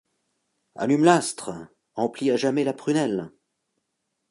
Allume l’astre! emplis à jamais la prunelle !